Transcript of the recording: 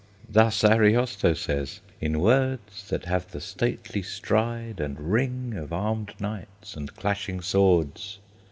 Thus Ariosto says, in words That have the stately stride and ring Of armed knights and clashing swords.